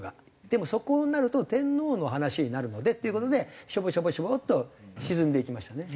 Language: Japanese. でもそこになると天皇の話になるのでっていう事でショボショボショボッと沈んでいきましたね。